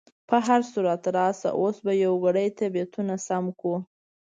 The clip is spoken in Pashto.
په هر صورت، راشه اوس به یو ګړی طبیعتونه سم کړو.